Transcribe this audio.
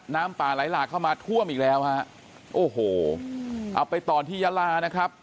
น้ำป่าไหลหลากเข้ามาท่วมอีกแล้วฮะโอ้โหเอาไปต่อที่ยาลานะครับ